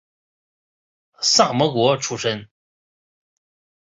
萨摩国出身。